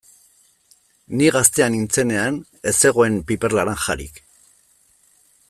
Ni gaztea nintzenean ez zegoen piper laranjarik.